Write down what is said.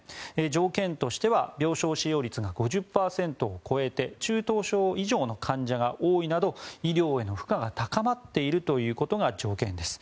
条件としては病床使用率が５０％を超えて中等症以上の患者が多いなど医療への負荷が高まっているということが条件です。